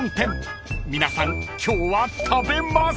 ［皆さん今日は食べます］